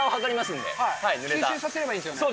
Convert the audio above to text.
集中させればいいんですよね。